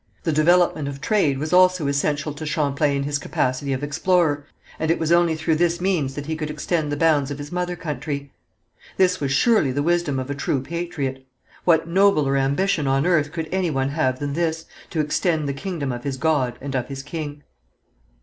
The development of trade was also essential to Champlain in his capacity of explorer, and it was only through this means that he could extend the bounds of his mother country. This was surely the wisdom of a true patriot. What nobler ambition on earth could any one have than this, to extend the kingdom of his God and of his king?